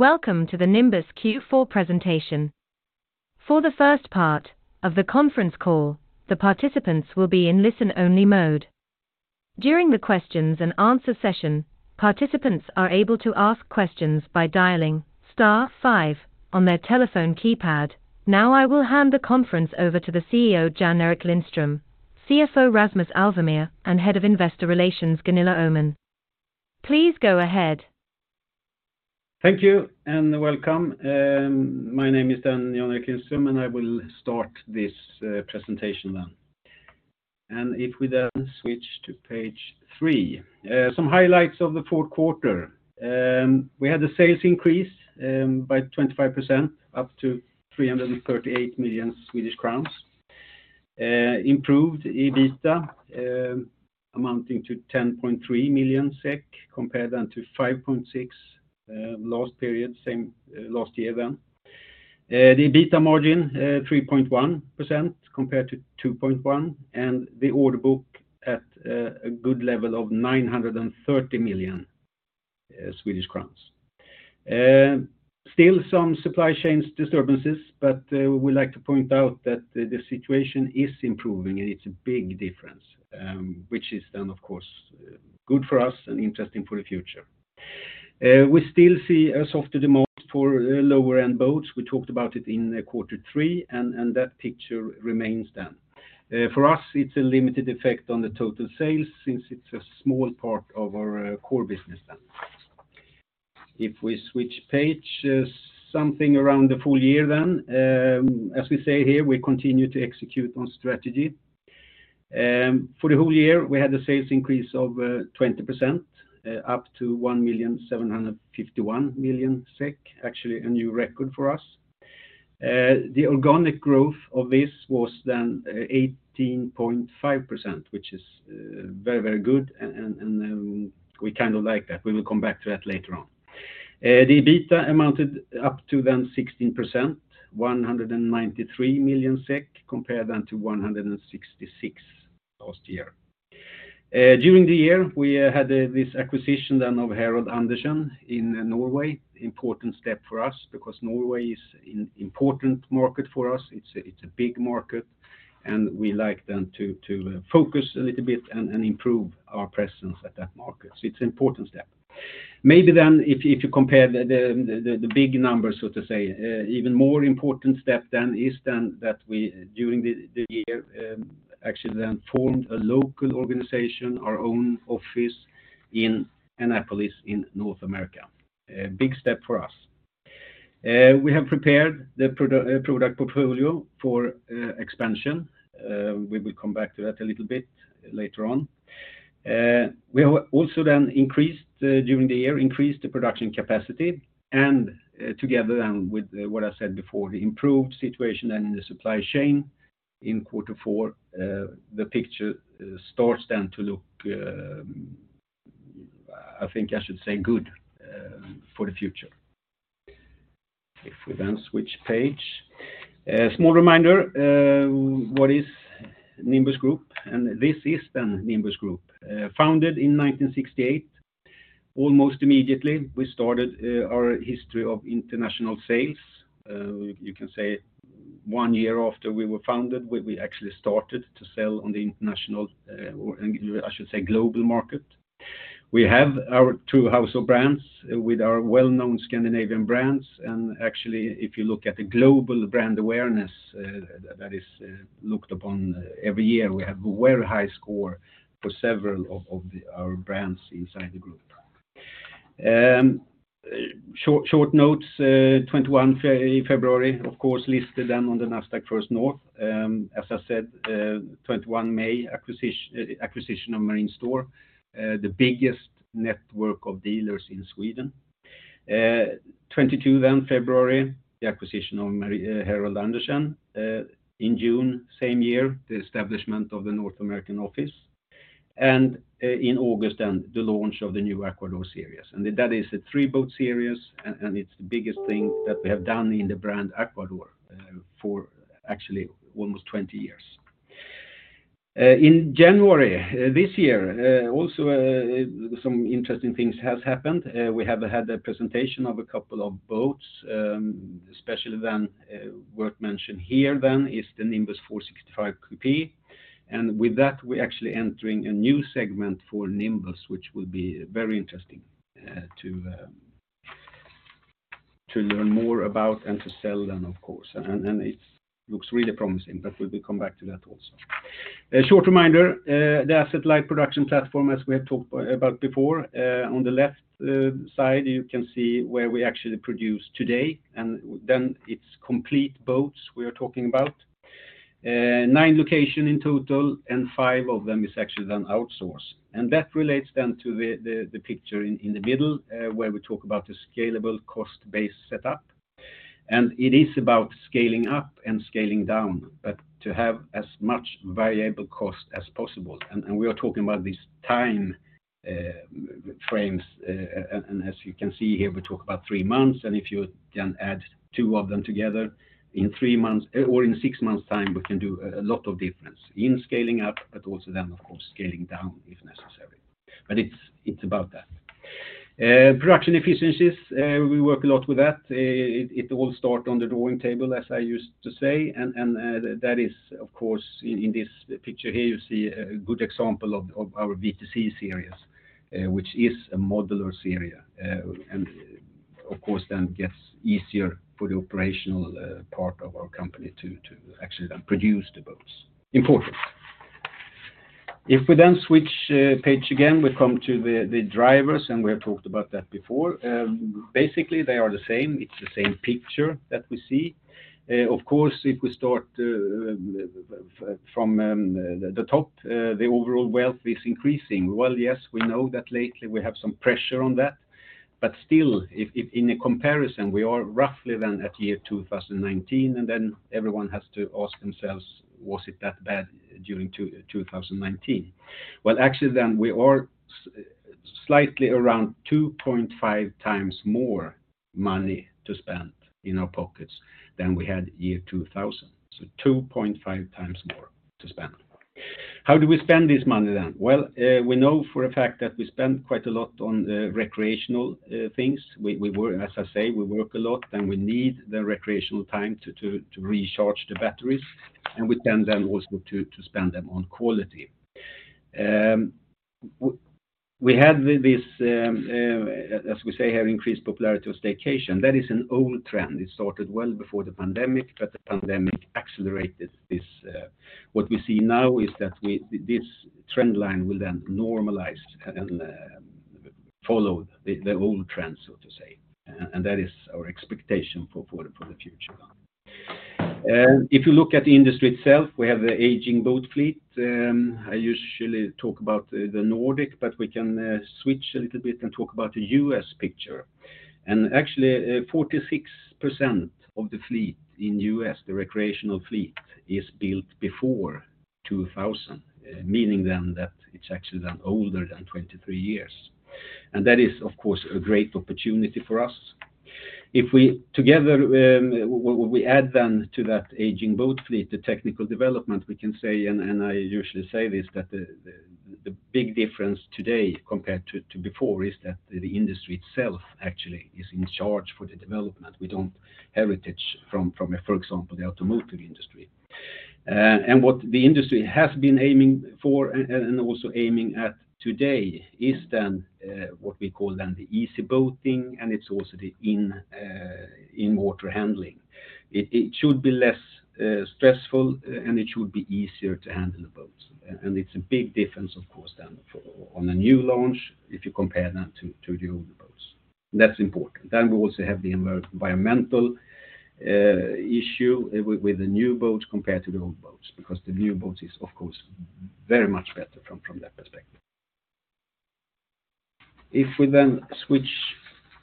Welcome to the Nimbus Q4 presentation. For the first part of the conference call, the participants will be in listen-only mode. During the questions and answer session, participants are able to ask questions by dialing star five on their telephone keypad. I will hand the conference over to the CEO, Jan-Erik Lindström, CFO, Rasmus Alvemyr, and Head of Investor Relations, Gunilla Åhman. Please go ahead. Thank you, and welcome. My name is Jan-Erik Lindström, and I will start this presentation then. If we then switch to page three. Some highlights of the fourth quarter. We had the sales increase by 25% up to 338 million Swedish crowns. Improved EBITDA amounting to 10.3 million SEK compared then to 5.6 last period, same last year then. The EBITDA margin 3.1% compared to 2.1%. The order book at a good level of 930 million Swedish crowns. Still some supply chains disturbances, but we like to point out that the situation is improving, and it's a big difference, which is then, of course, good for us and interesting for the future. We still see a softer demand for lower-end boats. We talked about it in quarter three and that picture remains then. For us, it's a limited effect on the total sales since it's a small part of our core business then. If we switch page, something around the full year then, as we say here, we continue to execute on strategy. For the whole year, we had the sales increase of 20%, up to 1,751 million, actually a new record for us. The organic growth of this was then 18.5%, which is very good and we kind of like that. We will come back to that later on. The EBITDA amounted up to then 16%, 193 million SEK, compared then to 166 million last year. During the year, we had this acquisition then of Herholdt Andersen in Norway. Important step for us because Norway is an important market for us. It's a big market, and we like then to focus a little bit and improve our presence at that market. It's an important step. If you compare the big numbers, so to say, even more important step then is then that we, during the year, actually then formed a local organization, our own office in Annapolis in North America. A big step for us. We have prepared the product portfolio for expansion. We will come back to that a little bit later on. We have also then increased during the year, increased the production capacity, and together then with what I said before, the improved situation in the supply chain in quarter four, the picture starts then to look, I think I should say good for the future. If we then switch page. A small reminder, what is Nimbus Group, and this is then Nimbus Group. Founded in 1968. Almost immediately, we started our history of international sales. You can say one year after we were founded, we actually started to sell on the international, or I should say global market. We have our two household brands with our well-known Scandinavian brands. Actually, if you look at the global brand awareness, that is looked upon every year, we have a very high score for several of our brands inside the group. Short, short notes, 2021 February, of course, listed then on the Nasdaq First North. As I said, 2021 May, acquisition of Marine Store, the biggest network of dealers in Sweden. 2022 February, the acquisition of Herholdt Andersen. In June, same year, the establishment of the North American office. In August then, the launch of the new Aquador series. That is a three-boat series, and it's the biggest thing that we have done in the brand Aquador, for actually almost 20 years. In January this year, also, some interesting things has happened. We have had a presentation of a couple of boats, especially then, worth mention here then is the Nimbus 465 Coupé. With that, we're actually entering a new segment for Nimbus, which will be very interesting to learn more about and to sell then, of course. It looks really promising, we will come back to that also. A short reminder, the asset-light production platform as we have talked about before. On the left side, you can see where we actually produce today, and then it's complete boats we are talking about. Nine location in total, and five of them is actually then outsourced. That relates then to the picture in the middle, where we talk about the scalable cost base set up. It is about scaling up and scaling down, but to have as much variable cost as possible. We are talking about these time frames. As you can see here, we talk about three months. If you can add two of them together in three months or in six months time, we can do a lot of difference in scaling up, but also then, of course, scaling down if necessary. It's about that. Production efficiencies, we work a lot with that. It, it all start on the drawing table, as I used to say, and, that is, of course, in this picture here you see a good example of our VTC series, which is a modular series. Of course then gets easier for the operational part of our company to actually then produce the boats. Important. If we then switch page again, we come to the drivers, we have talked about that before. Basically they are the same. It's the same picture that we see. Of course, if we start from the top, the overall wealth is increasing. Well, yes, we know that lately we have some pressure on that. Still, if in a comparison, we are roughly then at year 2019, everyone has to ask themselves, was it that bad during 2019? Well, actually then we are slightly around 2.5x more money to spend in our pockets than we had year 2000. 2.5x more to spend. How do we spend this money then? We know for a fact that we spend quite a lot on the recreational things. We work, as I say, we work a lot, we need the recreational time to recharge the batteries, we tend then also to spend them on quality. We had this, as we say here, increased popularity of staycation. That is an old trend. It started well before the pandemic, the pandemic accelerated this. What we see now is that this trend line will then normalize, follow the old trend, so to say. That is our expectation for the future then. If you look at the industry itself, we have the aging boat fleet. And i usually talk about the Nordic, but we can switch a little bit and talk about the U.S. picture. Actually, 46% of the fleet in U.S., the recreational fleet, is built before 2000, meaning then that it's actually then older than 23 years. That is, of course, a great opportunity for us. If we together, we add then to that aging boat fleet, the technical development, we can say, and I usually say this, that the big difference today compared to before is that the industry itself actually is in charge for the development. We don't heritage from, for example, the automotive industry. What the industry has been aiming for and also aiming at today is then what we call then the easy boating, and it's also the in-water handling. It should be less stressful, and it should be easier to handle the boats. It's a big difference of course then for on the new launch if you compare that to the older boats. That's important. We also have the environmental issue with the new boats compared to the old boats, because the new boats is of course very much better from that perspective. If we then switch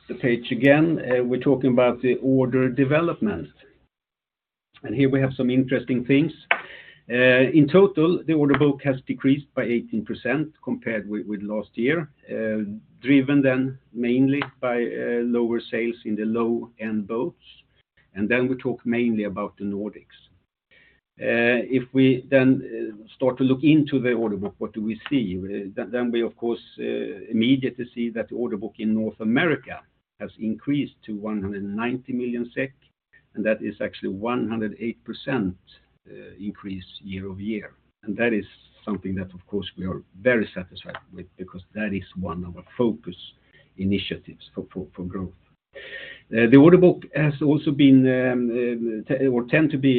the page again, we're talking about the order development. Here we have some interesting things. In total, the order book has decreased by 18% compared with last year, driven then mainly by lower sales in the low-end boats. We talk mainly about the Nordics. If we then start to look into the order book, what do we see? We of course immediately see that the order book in North America has increased to 190 million SEK. That is actually 108% increase year-over-year. That is something that of course we are very satisfied with because that is one of our focus initiatives for growth. The order book has also been, or tend to be,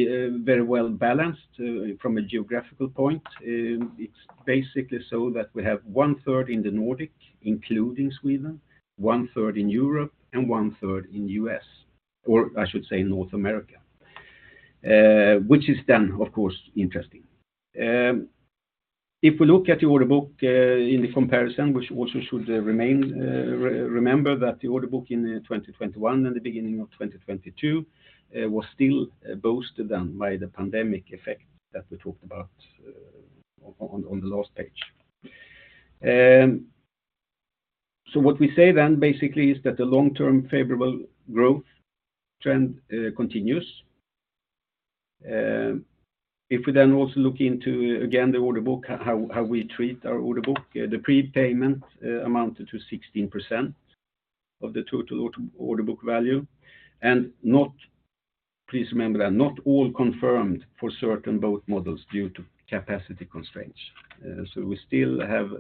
very well balanced from a geographical point. It's basically so that we have one-third in the Nordic, including Sweden, 1/3 in Europe, and 1/3 in US, or I should say North America. Which is then of course interesting. If we look at the order book, in the comparison, we also should remember that the order book in 2021 and the beginning of 2022 was still boosted then by the pandemic effect that we talked about on the last page. What we say then basically is that the long-term favorable growth trend continues. If we then also look into again the order book, how we treat our order book, the prepayment amounted to 16% of the total order book value. Not, please remember that not all confirmed for certain boat models due to capacity constraints. We still have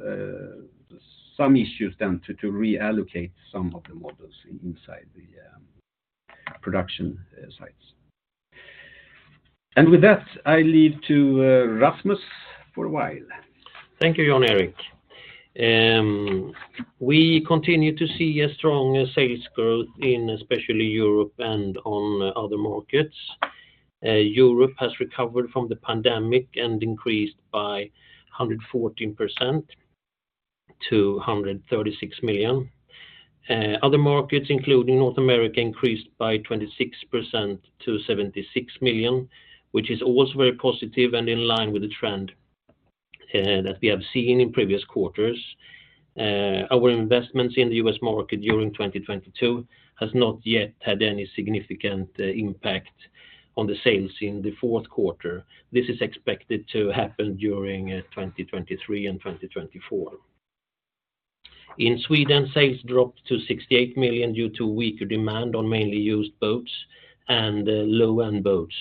some issues then to reallocate some of the models inside the production sites. And with that, I leave to Rasmus for a while. Thank you, Jan-Erik. We continue to see a strong sales growth in especially Europe and on other markets. Europe has recovered from the pandemic and increased by 114% to 136 million. Other markets, including North America, increased by 26% to 76 million, which is also very positive and in line with the trend that we have seen in previous quarters. Our investments in the U.S. market during 2022 has not yet had any significant impact on the sales in the fourth quarter, this is expected to happen during 2023 and 2024. In Sweden, sales dropped to 68 million due to weaker demand on mainly used boats and low-end boats.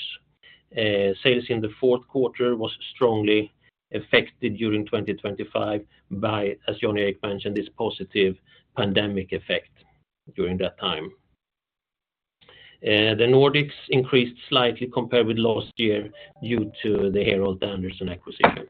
Sales in the fourth quarter was strongly affected during 2025 by, as Jan-Erik mentioned, this positive pandemic effect during that time. The Nordics increased slightly compared with last year due to the Herholdt Andersen acquisition.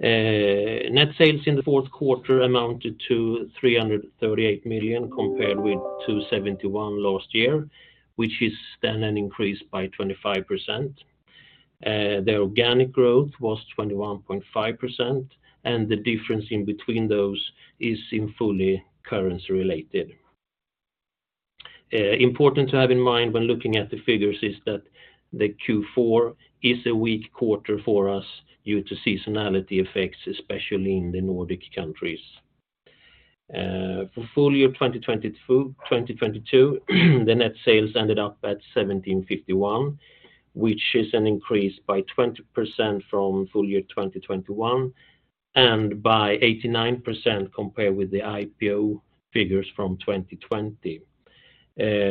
Net sales in the fourth quarter amounted to 338 million compared with 271 last year, which is then an increase by 25%. The organic growth was 21.5%, and the difference in between those is in fully currency related. Important to have in mind when looking at the figures is that the Q4 is a weak quarter for us due to seasonality effects, especially in the Nordic countries. For full year 2022, the net sales ended up at 1,751 million, which is an increase by 20% from full year 2021 and by 89% compared with the IPO figures from 2020.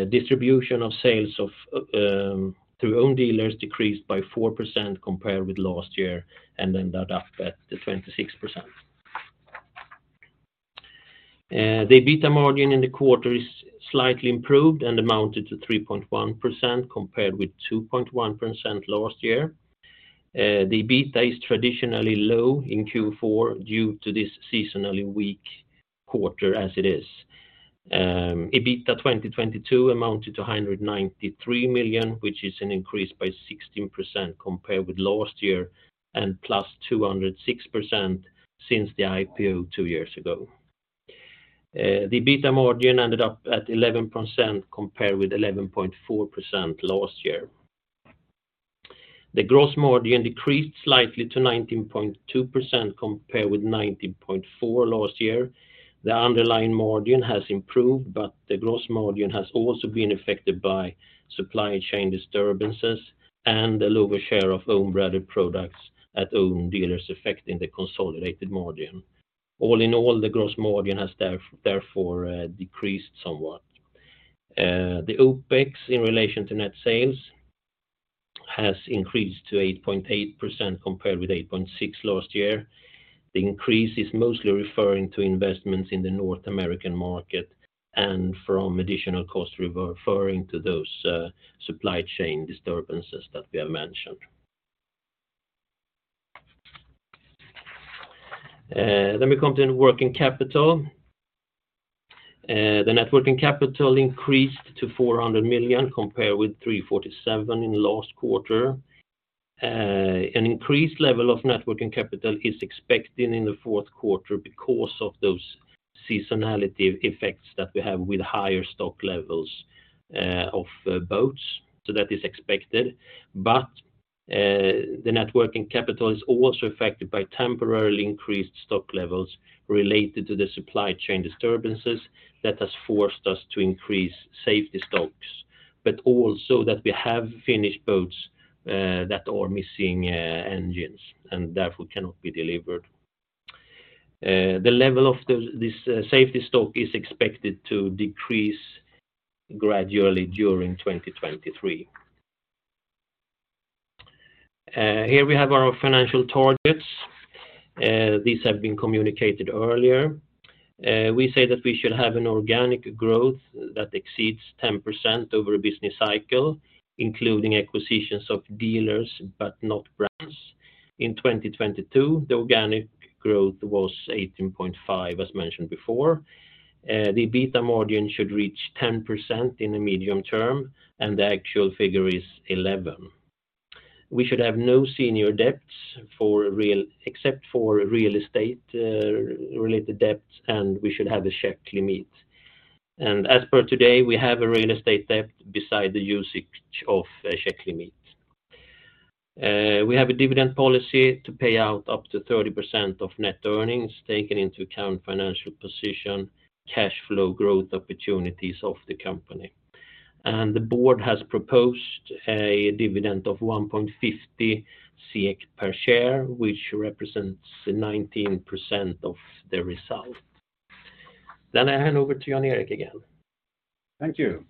Distribution of sales of through own dealers decreased by 4% compared with last year and ended up at the 26%. The EBITA margin in the quarter is slightly improved and amounted to 3.1% compared with 2.1% last year. The EBITA is traditionally low in Q4 due to this seasonally weak quarter as it is. EBITDA 2022 amounted to 193 million, which is an increase by 16% compared with last year and +206% since the IPO two years ago. The EBITA margin ended up at 11% compared with 11.4% last year. The gross margin decreased slightly to 19.2% compared with 19.4% last year. The underlying margin has improved, but the gross margin has also been affected by supply chain disturbances and the lower share of own branded products at own dealers affecting the consolidated margin. All in all, the gross margin has therefore decreased somewhat. The OPEX in relation to net sales has increased to 8.8% compared with 8.6 last year. The increase is mostly referring to investments in the North American market and from additional cost referring to those supply chain disturbances that we have mentioned. We come to the working capital. The net working capital increased to 400 million compared with 347 in last quarter. An increased level of net working capital is expected in the fourth quarter because of those seasonality effects that we have with higher stock levels of boats. That is expected. The net working capital is also affected by temporarily increased stock levels related to the supply chain disturbances that has forced us to increase safety stocks, but also that we have finished boats that are missing engines and therefore cannot be delivered. The level of this safety stock is expected to decrease gradually during 2023. Here we have our financial targets. These have been communicated earlier. We say that we should have an organic growth that exceeds 10% over a business cycle, including acquisitions of dealers, but not brands. In 2022, the organic growth was 18.5, as mentioned before. The EBITA margin should reach 10% in the medium term, and the actual figure is 11. We should have no senior debts except for real estate related debts, and we should have a check limit. As per today, we have a real estate debt beside the usage of a check limit. We have a dividend policy to pay out up to 30% of net earnings taken into account financial position, cash flow growth opportunities of the company. The board has proposed a dividend of 1.50 per share, which represents 19% of the result. I hand over to Jan-Erik again. Thank you.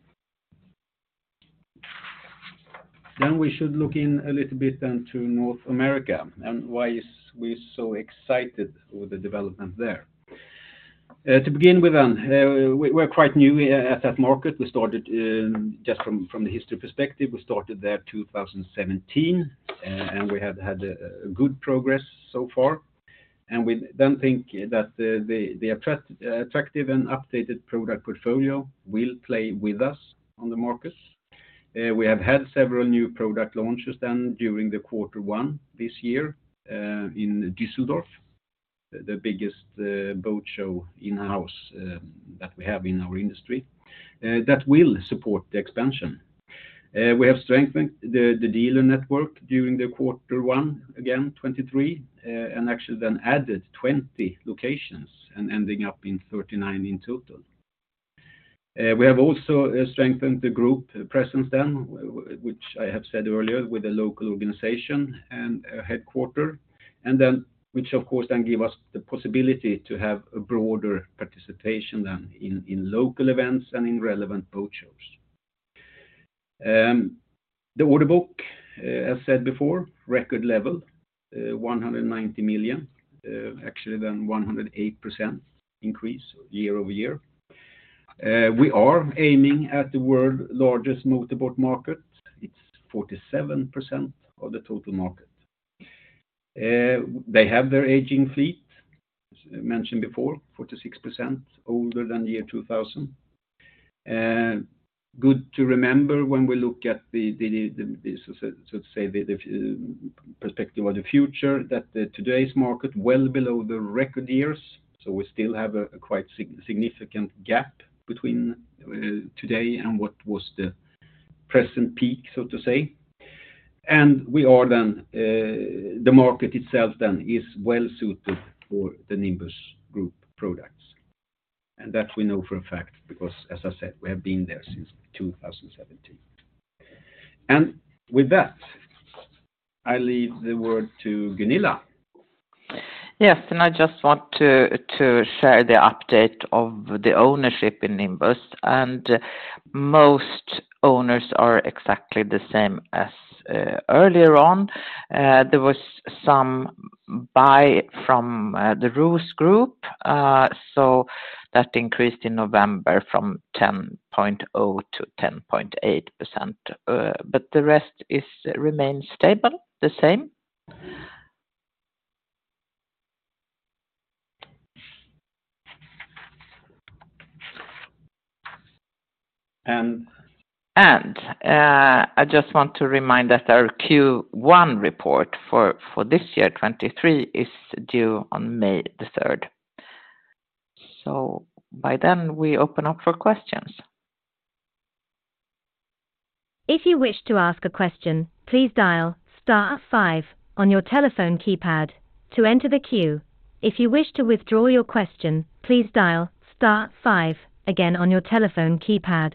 We should look in a little bit then to North America and why is we so excited with the development there. To begin with then, we're quite new at that market. We started, just from the history perspective, we started there 2017, and we have had a good progress so far. We then think that the attractive and updated product portfolio will play with us on the markets. We have had several new product launches then during Q1 this year, in Düsseldorf, the biggest boat show in-house that we have in our industry, that will support the expansion. We have strengthened the dealer network during Q1, again, 2023, and actually then added 20 locations and ending up in 39 in total. We have also strengthened the group presence then, which I have said earlier with a local organization and a headquarter, and then which of course then give us the possibility to have a broader participation than in local events and in relevant boat shows. The order book, as said before, record level, 190 million, actually then 108% increase year-over-year. We are aiming at the world largest motorboat market. It's 47% of the total market. They have their aging fleet, as mentioned before, 46% older than the year 2000. Good to remember when we look at the perspective or the future that the today's market well below the record years. We still have a significant gap between today and what was the present peak, so to say. We are then the market itself then is well suited for the Nimbus Group products. That we know for a fact because as I said, we have been there since 2017. And with that, I leave the word to Gunilla. Yes. I just want to share the update of the ownership in Nimbus. Most owners are exactly the same as earlier on. There was some buy from the Roos Group. That increased in November from 10.0%-10.8%. The rest is remain stable, the same. And? I just want to remind that our Q1 report for this year, 2023, is due on May 3rd. By then we open up for questions. If you wish to ask a question, please dial star five on your telephone keypad to enter the queue. If you wish to withdraw your question, please dial star five again on your telephone keypad.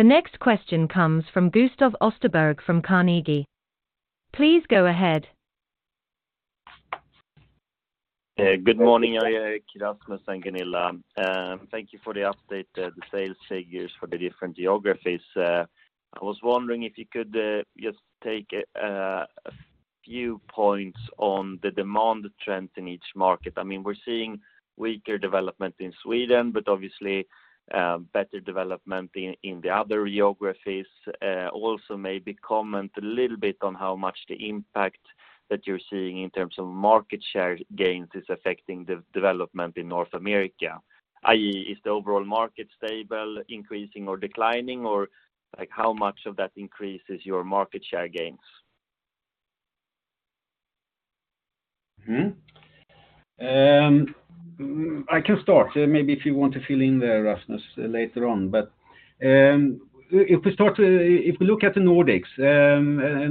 The next question comes from Gustav Österberg from Carnegie. Please go ahead. Good morning, Jan-Erik, Rasmus and Gunilla. Thank you for the update, the sales figures for the different geographies. I was wondering if you could just take a few points on the demand trend in each market. I mean, we're seeing weaker development in Sweden, but obviously, better development in the other geographies. Also maybe comment a little bit on how much the impact that you're seeing in terms of market share gains is affecting the development in North America, i.e., is the overall market stable, increasing or declining or like how much of that increase is your market share gains? I can start maybe if you want to fill in there, Rasmus, later on. If we look at the Nordics,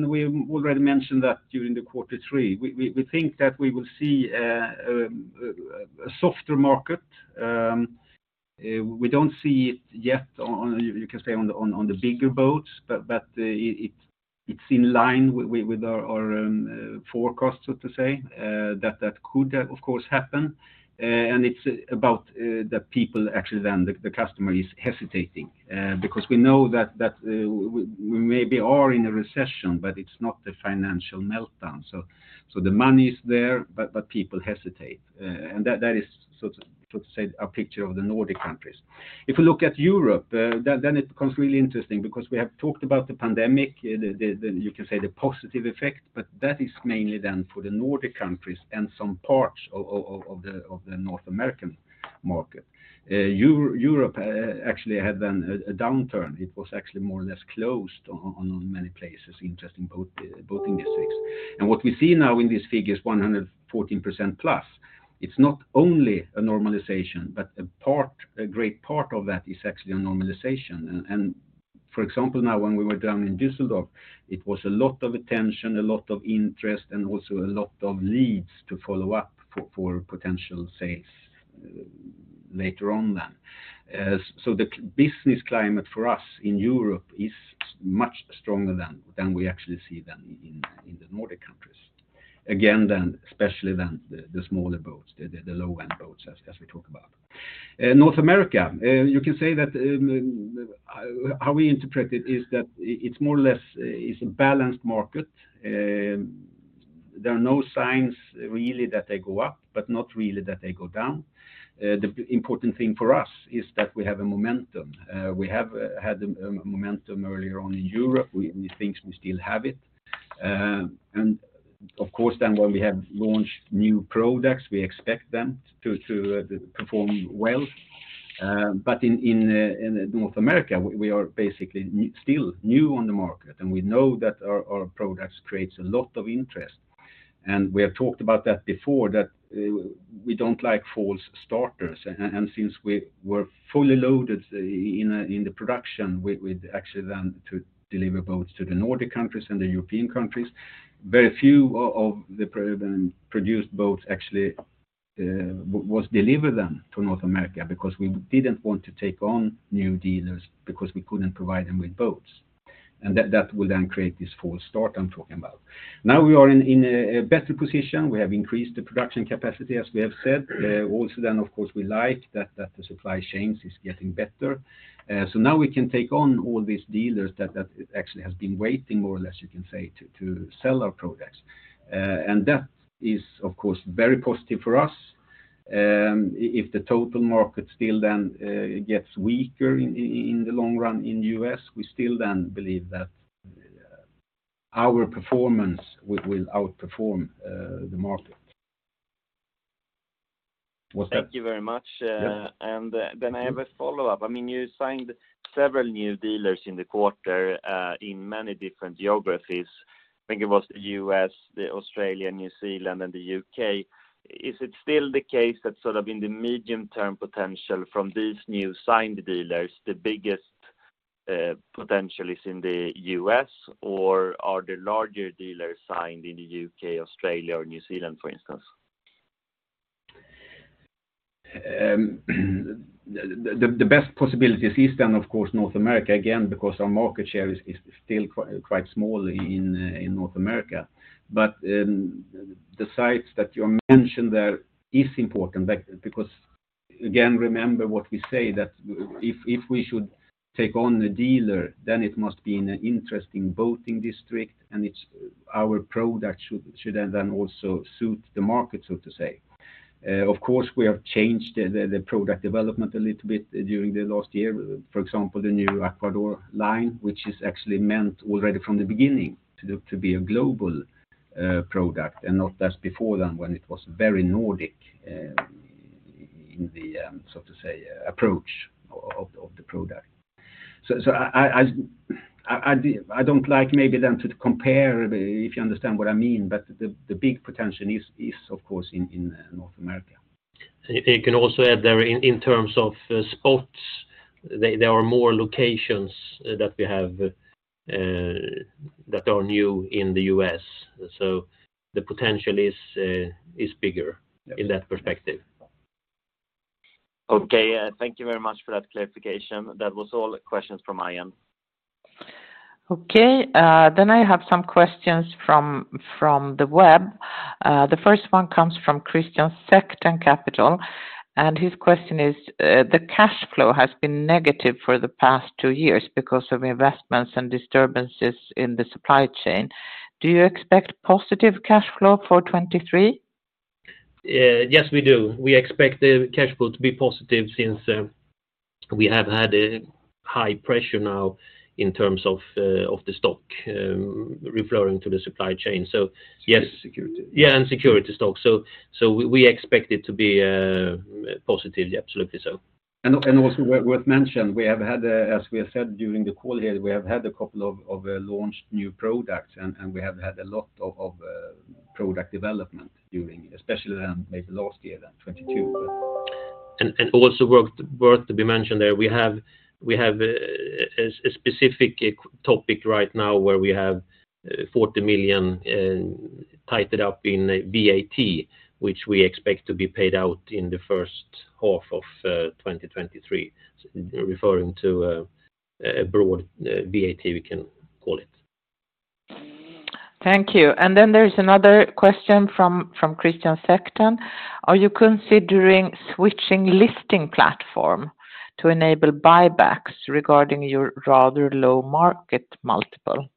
we already mentioned that during the quarter three, we think that we will see a softer market. We don't see it yet on, you can say on the bigger boats, but it's in line with our forecast, so to say, that could of course happen. It's about the people actually the customer is hesitating, because we know that we maybe are in a recession, but it's not the financial meltdown. The money is there, but people hesitate. That is so to say a picture of the Nordic countries. If you look at Europe, then it becomes really interesting because we have talked about the pandemic, you can say the positive effect, but that is mainly then for the Nordic countries and some parts of the North American market. Europe actually had then a downturn. It was actually more or less closed on many places, interesting boating districts. What we see now in this figure is 114% plus. It's not only a normalization, but a great part of that is actually a normalization. For example, now when we were down in Düsseldorf, it was a lot of attention, a lot of interest, and also a lot of leads to follow up for potential sales later on then. The business climate for us in Europe is much stronger than we actually see then in the Nordic countries. Again, then, especially than the smaller boats, the low-end boats as we talk about. North America, you can say that, how we interpret it is that it's more or less is a balanced market. There are no signs really that they go up, but not really that they go down. The important thing for us is that we have a momentum. We have had a momentum earlier on in Europe. We think we still have it. And of course then when we have launched new products, we expect them to perform well. In North America, we are basically still new on the market, and we know that our products creates a lot of interest. We have talked about that before, that we don't like false starters. Since we were fully loaded in the production with actually then to deliver boats to the Nordic countries and the European countries, very few of the then produced boats actually was delivered then to North America because we didn't want to take on new dealers because we couldn't provide them with boats. That will then create this false start I'm talking about. Now we are in a better position. We have increased the production capacity, as we have said. Also, of course, we like that the supply chains is getting better. Now we can take on all these dealers that actually has been waiting more or less, you can say, to sell our products. That is of course, very positive for us. If the total market still then gets weaker in the long run in U.S., we still then believe that our performance will outperform the market. Was that. Thank you very much. Yeah. I have a follow-up. I mean, you signed several new dealers in the quarter, in many different geographies. I think it was the U.S., the Australia, New Zealand, and the U.K. Is it still the case that sort of in the medium-term potential from these new signed dealers, the biggest potential is in the U.S., or are the larger dealers signed in the U.K., Australia or New Zealand, for instance? The best possibility is then, of course, North America, again, because our market share is still quite small in North America. The sites that you mentioned there is important because again, remember what we say that if we should take on a dealer, then it must be in an interesting boating district, and our product should then also suit the market, so to say. Of course, we have changed the product development a little bit during the last year. For example, the new Aquador line, which is actually meant already from the beginning to be a global product, and not as before then when it was very Nordic in the so to say, approach of the product. I don't like maybe then to compare, if you understand what I mean, but the big potential is of course in North America. I can also add there in terms of, spots, there are more locations that we have, that are new in the U.S. The potential is bigger in that perspective. Okay. Thank you very much for that clarification. That was all the questions from my end. Then I have some questions from the web. The first one comes from Christian Sekton Capital, and his question is, the cash flow has been negative for the past two years because of investments and disturbances in the supply chain. Do you expect positive cash flow for 2023? Yes, we do. We expect the cash flow to be positive since we have had a high pressure now in terms of the stock, referring to the supply chain. Yes. Security. Security stock. We expect it to be positive. Absolutely so. Also worth mention, we have had, as we have said during the call here, we have had a couple of launched new products, and we have had a lot of product development during, especially then maybe last year, 2022. Also worth to be mentioned there, we have a specific topic right now where we have 40 million tied up in VAT, which we expect to be paid out in the first half of 2023, referring to a broad VAT, we can call it. Thank you. Then there's another question from Christian Sigersted. Are you considering switching listing platform to enable buybacks regarding your rather low market multiple?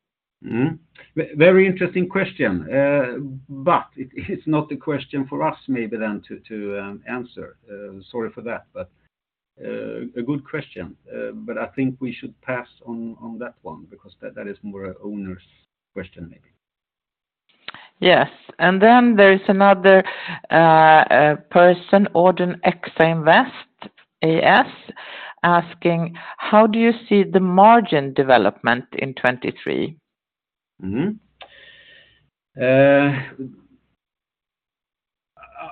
Very interesting question. It is not a question for us maybe then to answer. Sorry for that, but a good question. I think we should pass on that one because that is more an owner's question, maybe. Yes. There is another person, Jørgen IFE Invest AS, asking, how do you see the margin development in 2023?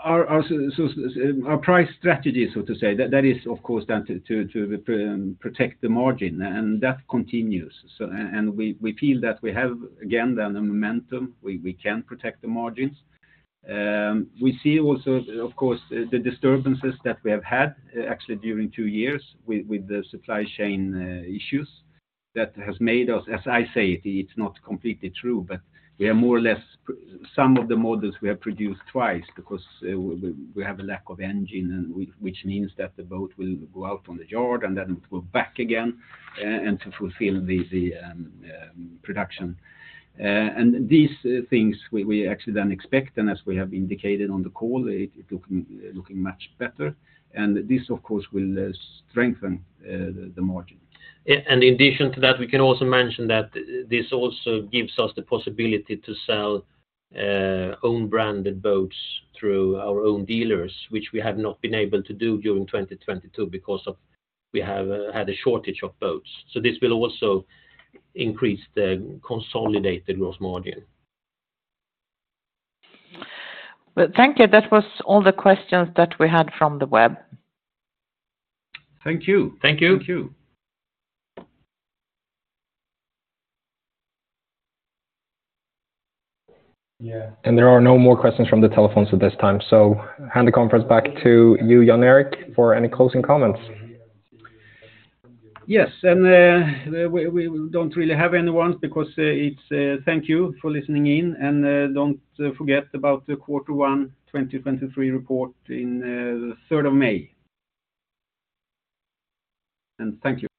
Our price strategy, so to say, that is of course then to protect the margin, and that continues. We feel that we have, again, the momentum, we can protect the margins. We see also, of course, the disturbances that we have had actually during two years with the supply chain issues that has made us, as I say, it's not completely true, but we are more or less some of the models we have produced twice because we have a lack of engine and which means that the boat will go out on the yard and then go back again and to fulfill the production. These things we actually then expect, and as we have indicated on the call, it looking much better. This, of course, will strengthen, the margin. In addition to that, we can also mention that this also gives us the possibility to sell, own branded boats through our own dealers, which we have not been able to do during 2022 because of we have had a shortage of boats. This will also increase the consolidated gross margin. Thank you. That was all the questions that we had from the web. Thank you. Thank you. Yeah. There are no more questions from the telephones at this time. Hand the conference back to you, Jan-Erik, for any closing comments. Yes. We don't really have any ones because it's thank you for listening in, and don't forget about the quarter one 2023 report in the 3rd of May. Thank you.